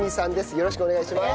よろしくお願いします。